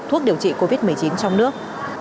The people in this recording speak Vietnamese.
thuốc điều trị covid một mươi chín trong nước